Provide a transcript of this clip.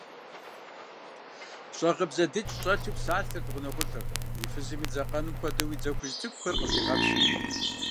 Щӏагъыбзэ дыдж щӏэлъу псалъэрт гъунэгъулӏыр, и фызми дзакъэнум хуэдэу и дзэ хужь цӏыкӏухэр къыщӏигъэпсырт.